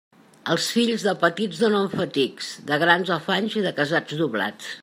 Els fills, de petits donen fatics; de grans, afanys, i de casats, doblats.